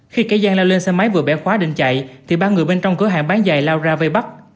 khi cái giang lao lên xe máy vừa bẻ khóa định chạy thì ba người bên trong cửa hàng bán giày lao ra vây bắt